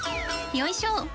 よいしょ！